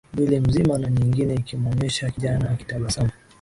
mwili mzima na nyingine ikimwonyesha kijana akitabasamu